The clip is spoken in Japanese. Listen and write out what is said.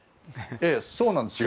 そうなんですよ。